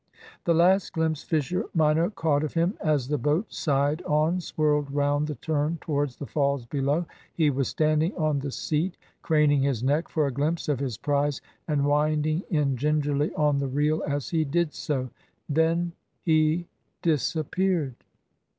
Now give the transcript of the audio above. The last glimpse Fisher minor caught of him as the boat, side on, swirled round the turn towards the falls below, he was standing on the seat, craning his neck for a glimpse of his prize, and winding in gingerly on the reel as he did so. Then he disappeared.